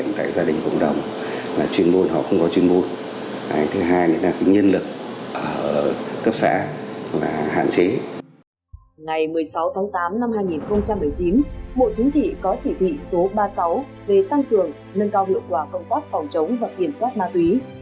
ngày một mươi sáu tháng tám năm hai nghìn một mươi chín bộ chính trị có chỉ thị số ba mươi sáu về tăng cường nâng cao hiệu quả công tác phòng chống và kiểm soát ma túy